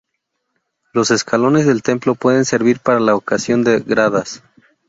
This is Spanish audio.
Los escalones del templo pueden servir para la ocasión de gradas.